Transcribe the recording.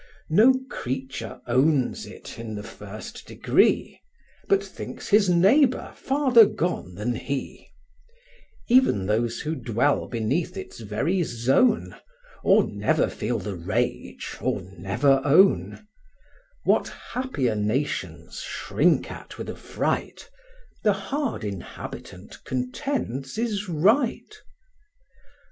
No creature owns it in the first degree, But thinks his neighbour farther gone than he; Even those who dwell beneath its very zone, Or never feel the rage, or never own; What happier nations shrink at with affright, The hard inhabitant contends is right.